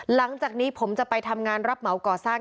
หลังจากนี้ผมจะไปทำงานรับเหมาก่อสร้าง